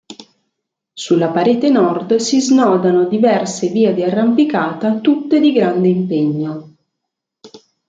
Sulla parete nord si snodano diverse vie di arrampicata tutte di grande impegno.